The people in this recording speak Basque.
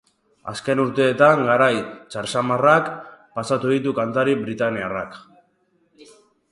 Azken urteetan garai txar xamarrak pasatu ditu kantari britainiarrak.